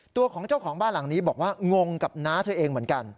ตัวของเจ้าของบ้านหลังนี้บอกว่างงกับน้าเธอเองเหมือนกัน